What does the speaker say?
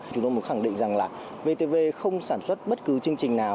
chúng tôi muốn khẳng định rằng là vtv không sản xuất bất cứ chương trình nào